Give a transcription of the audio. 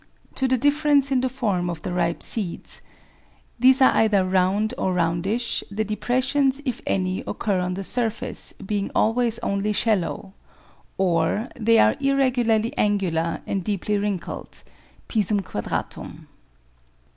To the difference in the form of the ripe seeds. These are either round or roundish, the depressions, if any, occur on the surface, being always only shallow; or they are irregularly angular and deeply wrinkled (P. quadratum).